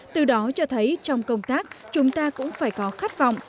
từ đó cho thấy trong công tác chúng ta cũng phải có khát vọng